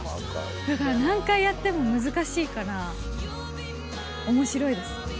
だから何回やっても難しいから、おもしろいです。